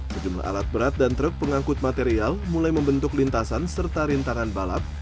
sejumlah alat berat dan truk pengangkut material mulai membentuk lintasan serta rintangan balap